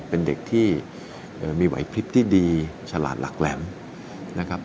เป็นเด็กที่มีไหวพลิบที่ดีฉลาดหลักแหลมนะครับ